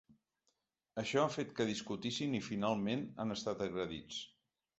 Això ha fet que discutissin i finalment han estat agredits.